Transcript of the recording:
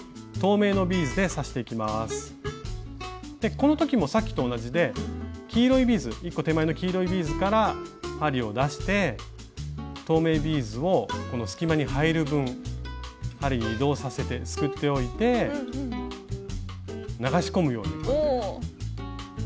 この時もさっきと同じで１個手前の黄色いビーズから針を出して透明ビーズをこの隙間に入る分針に移動させてすくっておいて流し込むように押し込んでみます。